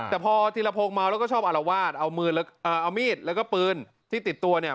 แต่พอธีรพงศ์เมาแล้วก็ชอบอารวาสเอามือเอามีดแล้วก็ปืนที่ติดตัวเนี่ย